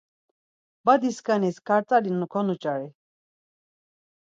Badiskanis kart̆ali konuç̌ari.